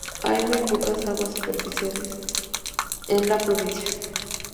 Hay muy pocas aguas superficiales en la provincia.